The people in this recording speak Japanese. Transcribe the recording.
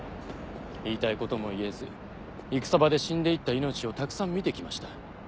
言いたいことも言えず戦場で死んでいった命をたくさん見てきました。